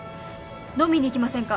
飲みに行きませんか？